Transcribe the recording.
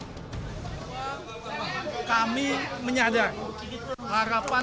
kami menyadar harapan masyarakat dan tantangan besar pln dalam jangka pendek maupun jangka panjang